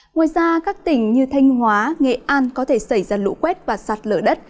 ngoài ra các tỉnh như thanh hóa nghệ an có thể xảy ra lũ quét và sạt lở đất